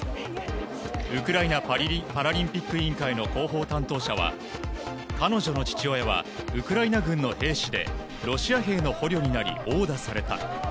ウクライナパラリンピック委員会の広報担当者は彼女の父親はウクライナ軍の兵士でロシア兵の捕虜になり殴打された。